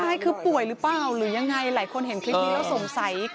ใช่คือป่วยหรือเปล่าหรือยังไงหลายคนเห็นคลิปนี้แล้วสงสัย